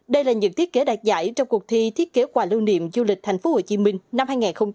đây là những thiết kế đạt giải trong cuộc thi thiết kế quà lưu niệm du lịch thành phố hồ chí minh năm hai nghìn hai mươi ba